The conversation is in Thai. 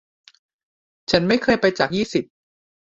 ฉันไม่เคยไปจากยี่สิบ